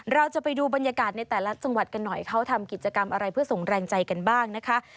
เราจะไปดูบรรยากาศในแต่ละจังหวัดกันหน่อยเขาทำกิจกรรมอะไรเพื่อส่งแรงใจกันบ้างนะคะ